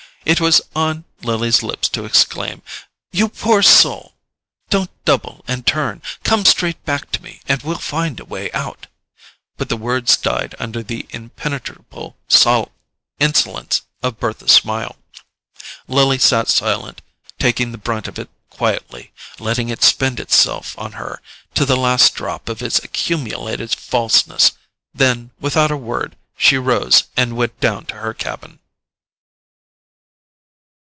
It was on Lily's lips to exclaim: "You poor soul, don't double and turn—come straight back to me, and we'll find a way out!" But the words died under the impenetrable insolence of Bertha's smile. Lily sat silent, taking the brunt of it quietly, letting it spend itself on her to the last drop of its accumulated falseness; then, without a word, she rose and went down to her cabin.